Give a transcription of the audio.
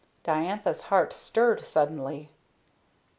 Diantha's heart stirred suddenly.